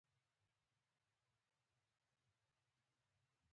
د ځمکې د خاورې ساتنه د زراعت لپاره ضروري ده.